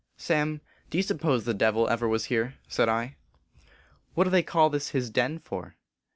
" Sam, do you suppose the Devil ever was here ?" said I. " What do they call this his den for